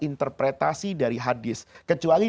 interpretasi dari hadis kecuali